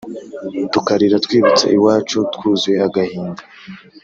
tukarira twibutse iwacu twuzuye agahinda